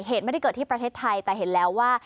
เหตุไม่ได้เกิดที่ประเทศไทยแต่เห็นแล้วว่า